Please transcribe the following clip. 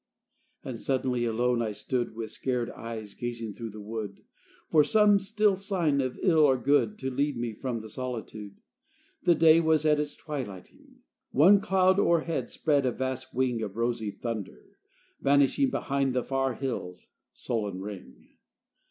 XVIII And suddenly alone I stood With scared eyes gazing through the wood, For some still sign of ill or good To lead me from the solitude. The day was at its twilighting; One cloud o'erhead spread a vast wing Of rosy thunder; vanishing Behind the far hills' sullen ring.